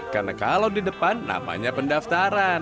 karena kalau di depan namanya pendaftaran